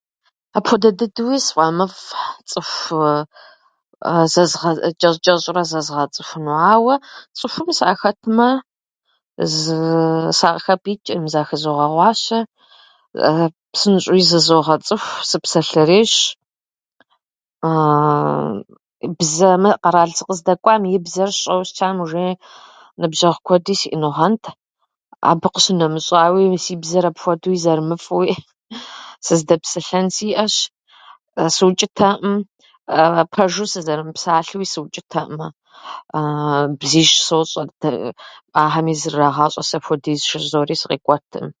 Апхуэдэ дыдэуи сфӏэмыфӏ цӏыху чӏэщӏ-чӏэщӏурэ зэзгъэцӏыхуну, ауэ цӏыхум сахэтмэ, сыкъыхэпӏиичӏӏым захызогъэгъуащэ, псынщӏэуи зызогъэцӏыху, сыпсалъэрейщ, бзэ- Мы къэрал сыкъыздэкӏуам и бзэр сщӏауэ щытам, уже ныбжьэгъу куэди сиӏэнугъэнт. Абы къищынэмыщӏауи си бзэр апхуэдууи зэрымыфӏууи сыздэпсэлъэн сиӏэщ, сыучӏытэӏым. Пэжу сызэрымыпсалъэуи сыучӏытэӏымэ. Бзищ сощӏэ, ахьэми зэррагъащӏэ сэпхуэдиз жызори сыкъикӏуэтӏым.